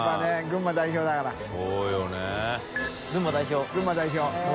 群馬代表。